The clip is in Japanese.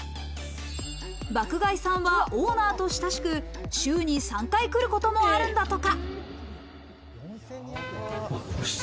爆買いさんはオーナーと親しく週に３回来ることもあるんだとか。